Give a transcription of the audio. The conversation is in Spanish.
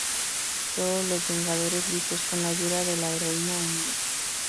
Todos los Vengadores listos, con la ayuda de la heroína Ms.